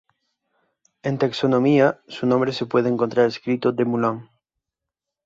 En taxonomía, su nombre se puede encontrar escrito Des Moulins.